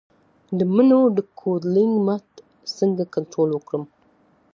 د مڼو د کوډلینګ مټ څنګه کنټرول کړم؟